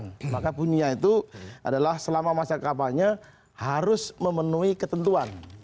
nah maka bunyinya itu adalah selama masa kampanye harus memenuhi ketentuan